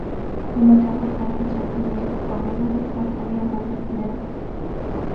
Գմբեթաւոր դահլիճ է՝ բեմի երկու կողմերուն երկյարկանի աւանդատներով։